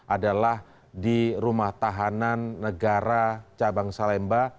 adalah di rumah tahanan negara cabang salemba